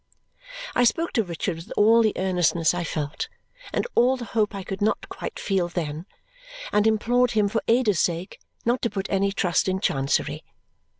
I spoke to Richard with all the earnestness I felt, and all the hope I could not quite feel then, and implored him for Ada's sake not to put any trust in Chancery.